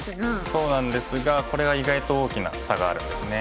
そうなんですがこれは意外と大きな差があるんですね。